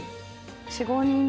４５人で。